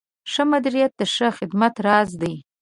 ښه مدیریت د ښه خدمت راز دی.